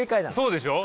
そうでしょ？